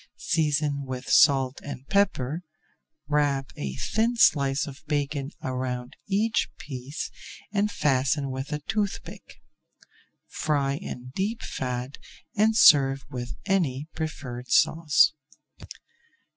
Season with salt and pepper, wrap a thin slice of bacon around each piece, and fasten with a toothpick. Fry in deep fat and serve with any preferred sauce.